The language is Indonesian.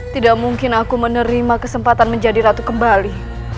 tidak mungkin aku menerima kesempatan menjadi ratu kembali